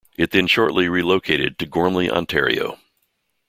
It then shortly relocated to Gormley, Ontario.